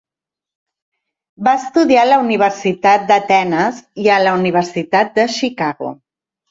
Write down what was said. Va estudiar a la Universitat d"Atenes i a la Universitat de Chicago.